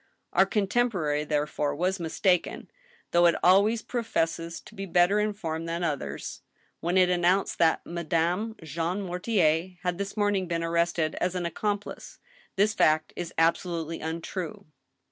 " Our contemporary, ther^ore, was mistaken (though it always professes to be better informed than others) when it announced that Madame Jean Mortier had this morning been arrested as an accom plice. This fact is absolutely untrue.